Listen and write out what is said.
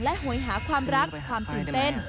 หวยหาความรักความตื่นเต้น